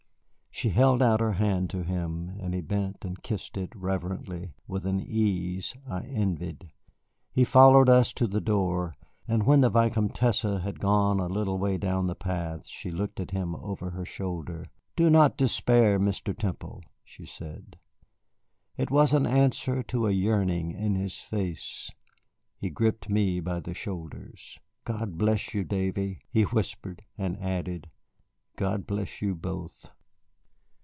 She held out her hand to him, and he bent and kissed it reverently, with an ease I envied. He followed us to the door. And when the Vicomtesse had gone a little way down the path she looked at him over her shoulder. "Do not despair, Mr. Temple," she said. It was an answer to a yearning in his face. He gripped me by the shoulders. "God bless you, Davy," he whispered, and added, "God bless you both."